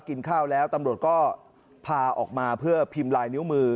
กินข้าวแล้วตำรวจก็พาออกมาเพื่อพิมพ์ลายนิ้วมือ